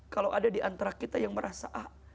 kalau ada di antara kita yang merasa